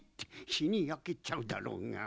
ひにやけちゃうだろうが。